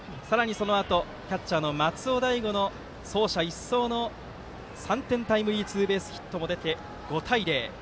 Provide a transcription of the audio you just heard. そのあとキャッチャーの松尾大悟の走者一掃の３点タイムリーツーベースヒットも出て５対０。